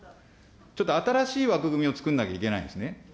ちょっと新しい枠組みをつくんなきゃいけないんですね。